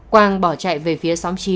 quang bỏ chạy về phía xóm chín